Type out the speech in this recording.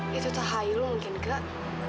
itu tahayu mungkin kak